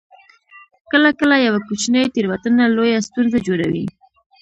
کله کله یوه کوچنۍ تیروتنه لویه ستونزه جوړوي